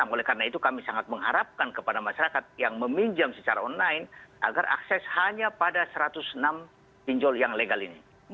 oleh karena itu kami sangat mengharapkan kepada masyarakat yang meminjam secara online agar akses hanya pada satu ratus enam pinjol yang legal ini